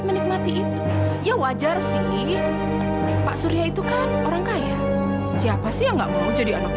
menikmati itu ya wajar sih pak surya itu kan orang kaya siapa sih yang nggak mau jadi anak